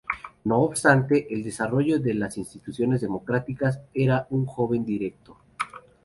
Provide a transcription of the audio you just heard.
No obstante, el desarrollo de las instituciones democráticas no era un objetivo directo.